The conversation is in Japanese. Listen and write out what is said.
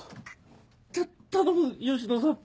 た頼む吉野さん。